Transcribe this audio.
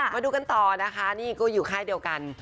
มาดูกันต่อนะคะนี่ก็อยู่ค่ายเดียวกัน